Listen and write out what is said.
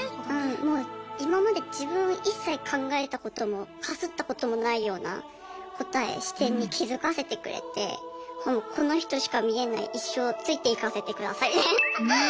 もう今まで自分一切考えたこともかすったこともないような答え視点に気付かせてくれてもうこの人しか見えない一生ついていかせてくださいみたいな。